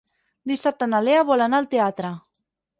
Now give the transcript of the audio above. Dissabte na Lea vol anar al teatre.